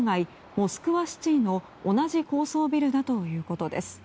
モスクワシティの同じ高層ビルだということです。